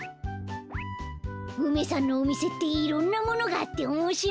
梅さんのおみせっていろんなものがあっておもしろいね。